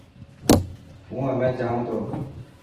هون همي جانون ٿو.